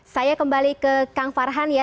saya kembali ke kang farhan ya